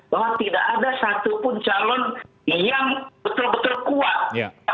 bahwa tidak ada satupun calon yang betul betul kuat